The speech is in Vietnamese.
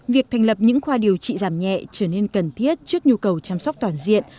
việc thành lập những khoa điều trị giảm nhẹ trở nên cần thiết trước nhu cầu chăm sóc toàn diện